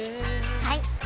はい！